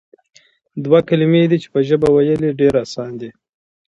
دوه کلمې دي چې په ژبه ويل ئي ډېر آسان دي،